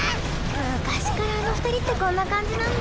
昔からあの二人ってこんな感じなんだ。